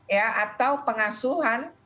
ya atau pengasuhan